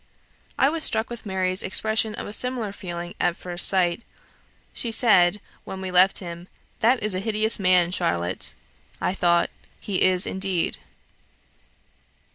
I was struck with Mary's expression of a similar feeling at first sight; she said, when we left him, 'That is a hideous man, Charlotte!' I thought 'He is indeed.'"